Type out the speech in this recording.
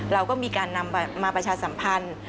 เราก็มีการนำมาประชาสัมพันธ์